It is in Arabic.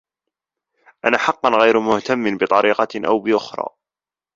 أنا حقاً غير مهتم بطريقة أو بأخرى.